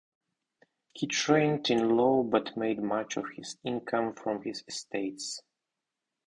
He trained in law but made much of his income from his estates.